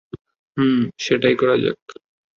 হুম, সেটাই করা যাক!